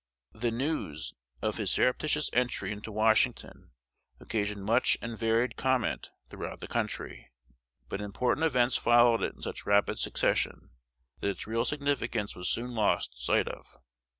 The news of his surreptitious entry into Washington occasioned much and varied comment throughout the country; but important events followed it in such rapid succession, that its real significance was soon lost sight of.